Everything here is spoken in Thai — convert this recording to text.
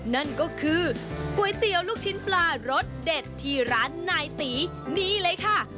นั่นก็คือก๋วยเตี๋ยวลูกชิ้นปลารสเด็ดที่ร้านนายตีนี่เลยค่ะ